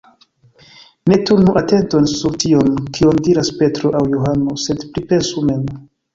Ne turnu atenton sur tion, kion diras Petro aŭ Johano, sed pripensu mem.